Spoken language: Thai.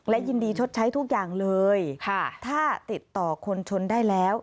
และยินดีชดใช้ทุกอย่างเลยถ้าติดต่อคนชนได้แล้ว